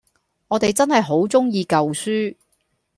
我哋真係好鍾意舊書